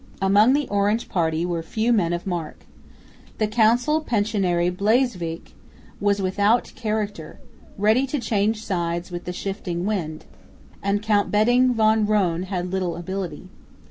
Among the Orange party were few men of mark. The council pensionary Bleiswijk was without character, ready to change sides with the shifting wind; and Count Bentinck van Rhoon had little ability.